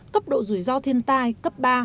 cấp độ rủi ro thiên tai cấp ba